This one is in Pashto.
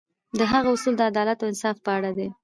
د هغه اصول د عدالت او انصاف په اړه دي.